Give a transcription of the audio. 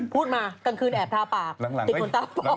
พูดมากลางคืนแอบทาปากติดขนตาฟ